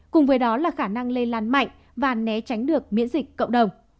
cùng với đó là khả năng lây lan mạnh và né tránh được miễn dịch cộng đồng